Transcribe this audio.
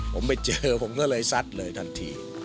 ผมไปเจอผมก็เลยซัดเลยทันที